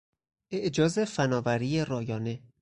اعجاز فنآوری رایانه